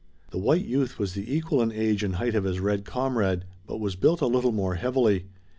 The white youth was the equal in age and height of his red comrade, but was built a little more heavily.